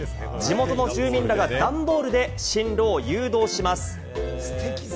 地元の住民らがダンボールで進路を誘導します。